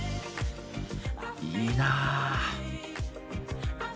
いいなぁ。